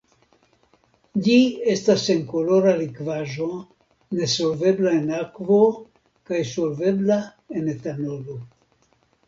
Ĝi estas senkolora likvaĵo nesolvebla en akvo kaj solvebla en etanolo.